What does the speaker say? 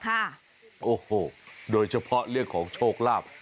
โอ้โหโดยเฉพาะเรื่องของโชคลาภ